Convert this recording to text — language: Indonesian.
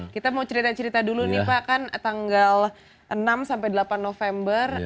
kita mau cerita cerita dulu nih pak kan tanggal enam sampai delapan november